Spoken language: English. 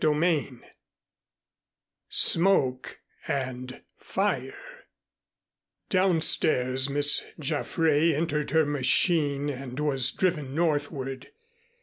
XXII SMOKE AND FIRE Downstairs Miss Jaffray entered her machine and was driven northward.